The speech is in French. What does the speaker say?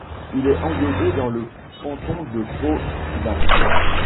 Il est englobé dans le canton de Pont-d'Ain.